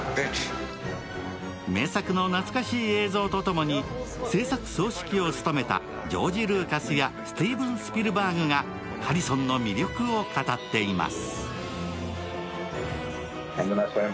名作の懐かしい映像とともに製作総指揮を務めたジョージ・ルーカスやスティーブン・スピルバーグがハリソンの魅力を語っています。